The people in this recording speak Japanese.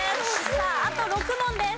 さああと６問です。